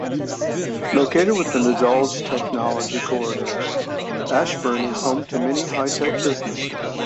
Located within the Dulles Technology Corridor, Ashburn is home to many high-tech businesses.